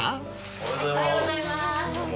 おはようございますどうも。